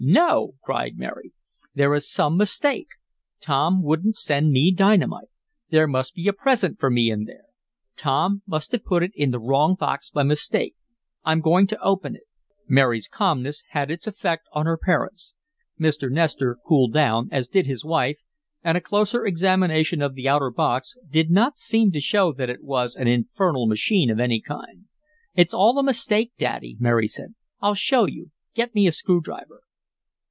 "No!" cried Mary. "There is some mistake. Tom wouldn't send me dynamite. There must be a present for me in there. Tom must have put it in the wrong box by mistake. I'm going to open it." Mary's calmness had its effect on her parents. Mr. Nestor cooled down, as did his wife, and a closer examination of the outer box did not seem to show that it was an infernal machine of any kind. "It's all a mistake, Daddy," Mary said. "I'll show you. Get me a screw driver."